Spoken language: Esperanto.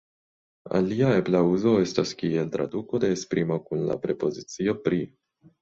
Alia ebla uzo estas kiel traduko de esprimo kun la prepozicio "pri".